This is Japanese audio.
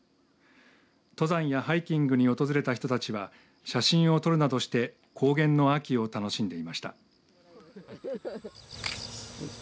登山やハイキングに訪れた人たちは写真を撮るなどして高原の秋を楽しんでいました。